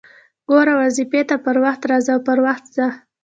ګوره! واظيفې ته پر وخت راځه او پر وخت ځه!